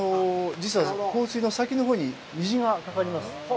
実はですね、放水の先のほうに虹が架かります。